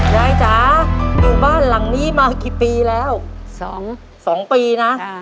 ยายจ๋าบ้านหลังนี้มากี่ปีแล้วสองสองปีนะอ่า